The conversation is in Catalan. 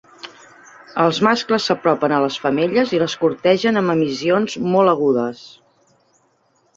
Els mascles s"apropen a les femelles i les cortegen amb emissions molt agudes.